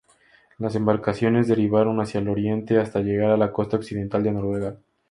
Las embarcaciones derivaron hacia el oriente, hasta llegar a la costa occidental de Noruega.